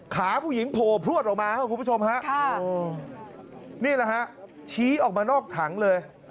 ขาผู้หญิงโผล่พลวดออกมาครับคุณผู้ชมฮะนี่แหละฮะชี้ออกมานอกถังเลย